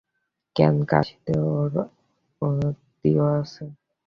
কেন, কাশীতে ওর আত্মীয় আছে।